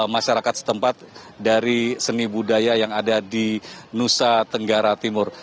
masyarakat setempat dari seni budaya yang ada di nusa tenggara timur